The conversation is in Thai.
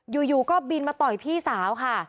อยู่ก็บินมาต่อยพี่สาวค่ะ